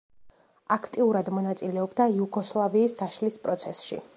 აქტიურად მონაწილეობდა იუგოსლავიის დაშლის პროცესში.